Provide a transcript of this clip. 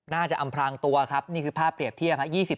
น่าจะอำพรางตัวครับนี่คือภาพเปรียบเทียบ